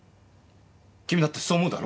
君だってそう思うだろ？